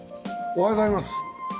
おはようございます。